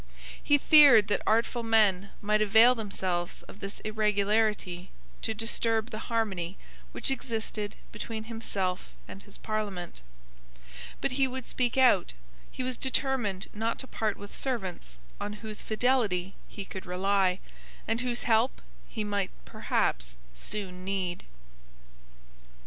He feared that artful men might avail themselves of this irregularity to disturb the harmony which existed between himself and his Parliament. But he would speak out. He was determined not to part with servants on whose fidelity he could rely, and whose help he might perhaps soon need.